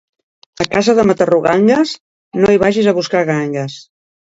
A casa de maturrangues, no hi vagis a buscar gangues.